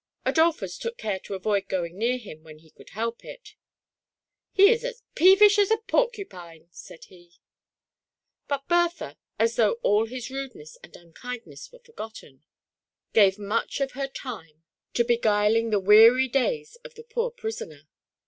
Adolphus took care to avoid going near him when he could help it ;—" He is as peevish as a porcu pine !" said he. But Bertha, as though all his rudeness and unkindness were forgotten, gave much of her time THE PRISONER IS DARKNE3S. to beguiling the weary days of the poor prisoner.